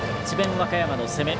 和歌山の攻め。